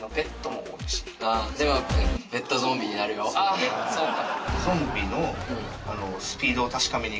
あっそうか。